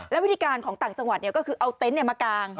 และวิธีการของต่างจังหวัดก็คือเอาเต็นต์มากาง